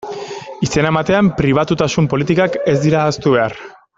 Izena ematean, pribatutasun politikak ez dira ahaztu behar.